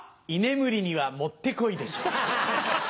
居眠りにはもってこいでしょう。